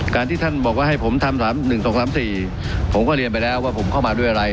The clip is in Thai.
การที่ท่านบอกว่าให้ผมทำ๓๑๒๓๔ผมก็เรียนไปแล้วว่าผมเข้ามาด้วยอะไร